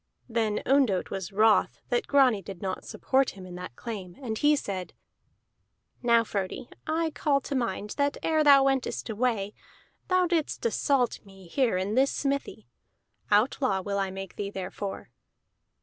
Then Ondott was wroth that Grani did not support him in that claim, and he said: "Now, Frodi, I call to mind that ere thou wentest away, thou didst assault me here in this smithy. Outlaw will I make thee therefor."